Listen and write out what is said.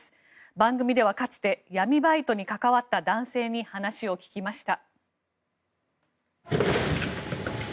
番組では、かつて闇バイトに関わった男性に話を聞きました。